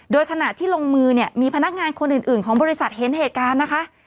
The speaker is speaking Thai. โดยขณะที่ลงมือเนี่ยมีพนักงานคนอื่นของบริษัทเห็นเหตุการณ์นะคะ